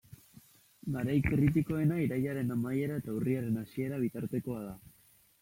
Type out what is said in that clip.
Garai kritikoena irailaren amaiera eta urriaren hasiera bitartekoa da.